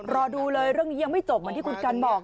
รอดูเลยเรื่องนี้ยังไม่จบเหมือนที่คุณกันบอก